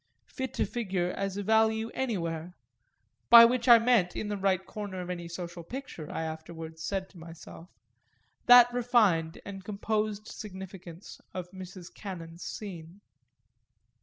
Fit to figure as a value anywhere by which I meant in the right corner of any social picture, I afterwards said to myself that refined and composed significance of Mrs. Cannon's scene.